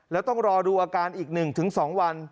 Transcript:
แล้วต้องรอดูอาการอีกหนึ่งถึง๒วัน